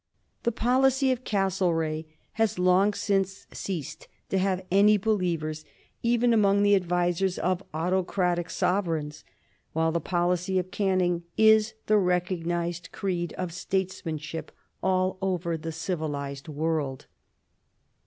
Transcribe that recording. The policy of Castlereagh has long since ceased to have any believers even among the advisers of autocratic sovereigns, while the policy of Canning is the recognized creed of statesmanship all over the civilized world.